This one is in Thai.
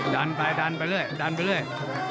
ดันไปกันไปเรื่อย